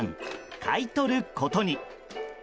買い取ることに。